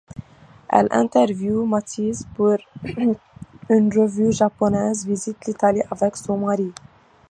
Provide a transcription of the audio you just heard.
Elle interviewe Matisse pour une revue japonaise, visite l'Italie avec son mari.